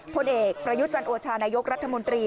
ผลเอกประยุจันโอชานายกรัฐมนตรี